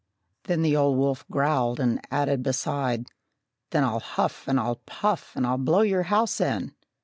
Then the old wolf growled, and added beside, "Then I'll huff and I'll puff and I'll blow your house in!"